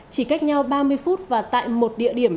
chỉ cách nhau ba mươi phút và tại một địa điểm